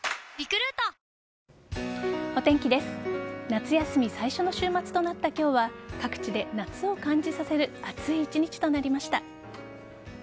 夏休み最初の週末となった今日は各地で夏を感じさせる暑い一日となりました。